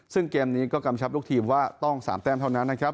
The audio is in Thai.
ซึ่งเกมนี้ก็กำชับลูกทีมว่าต้อง๓แต้มเท่านั้นนะครับ